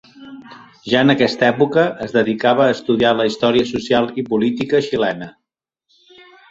Ja en aquesta època es dedicava a estudiar la història social i política xilena.